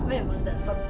memang dasar bodoh